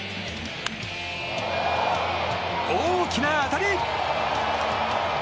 大きな当たり！